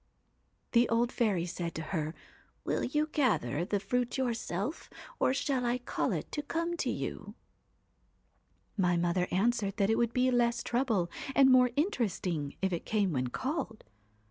'The old fairy said to her : "Will you gather the fruit yourself, or shall I call it to come to you ?"' My mother answered that it would be less trouble and more interesting if it came when called.